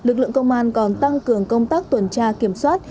lực lượng công an còn tăng cường công tác tuần tra kiểm soát